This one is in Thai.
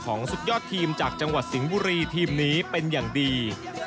ของศึกยอดทีมจากจังหวัดสิงห์บุรีทีมนี้